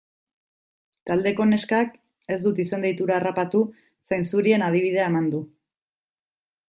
Taldeko neskak, ez dut izen-deitura harrapatu, zainzurien adibidea eman du.